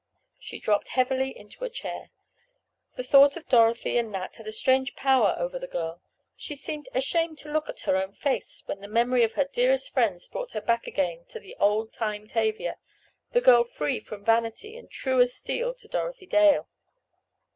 She dropped heavily into a chair. The thought of Dorothy and Nat had a strange power over the girl—she seemed ashamed to look at her own face when the memory of her dearest friends brought her back again to the old time Tavia—the girl free from vanity and true as steel to Dorothy Dale.